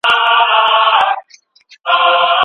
زه هره ورځ خپلو ګلانو ته اوبه ورکوم.